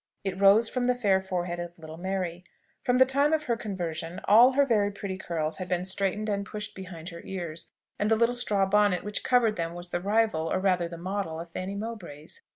It rose from the fair forehead of little Mary. From the time of her conversion, all her very pretty curls had been straightened and pushed behind her ears, and the little straw bonnet which covered them was the rival, or rather, the model of Fanny Mowbray's.